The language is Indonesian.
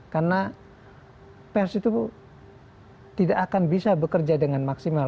karena pers itu tidak akan bisa bekerja dengan maksimal